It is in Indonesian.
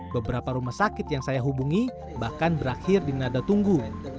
beberapa rumah sakit yang saya hubungi bahkan berakhir di nada tunggu